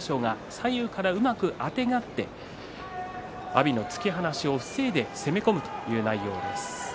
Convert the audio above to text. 翔が左右からうまくあてがって阿炎の突き放しを防いで攻め込むという内容です。